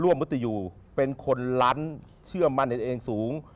ร่วมมุตติอยู่เป็นคนล้านเชื่อมั่นในตัวเองสูง